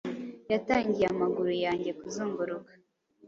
yatangiye amaguru yanjye kuzunguruka